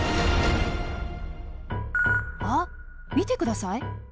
あっ見て下さい。